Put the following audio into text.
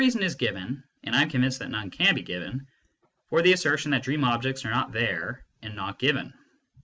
174 MYSTICISM AND LOGIC is given, and I am convinced that none can be given, for the assertion that dream objects are not " there " and not " given."